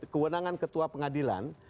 kewenangan ketua pengadilan